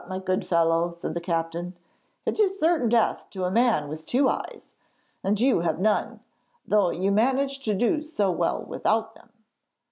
my good fellow,' said the captain; 'it is certain death to a man with two eyes, and you have none, though you manage to do so well without them.'